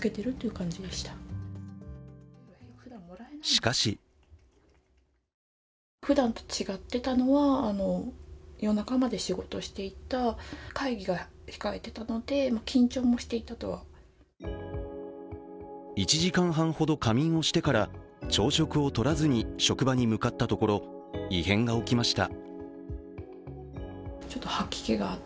しかし１時間半ほど仮眠をしてから朝食をとらずに職場に向かったところ、異変が起きました。